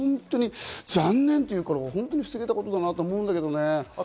残念というか防げたことだなと思いますけどね。